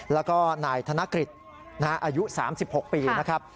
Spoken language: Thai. แล้วก็นายธนกฤษอายุ๓๖ปีนะครับ